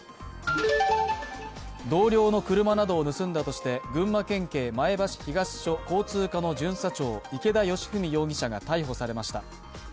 同僚の車などを盗んだとして、群馬県警前橋東署交通課の巡査長、池田佳史容疑者が逮捕されました。